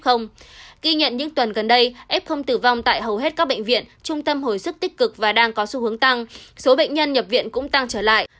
ghi nhận những tuần gần đây f tử vong tại hầu hết các bệnh viện trung tâm hồi sức tích cực và đang có xu hướng tăng số bệnh nhân nhập viện cũng tăng trở lại